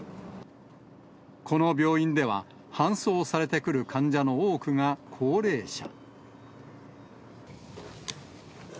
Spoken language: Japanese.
この病院では、搬送されてくる患者の多くが高齢者。